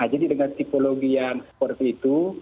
jadi dengan tipologi yang seperti itu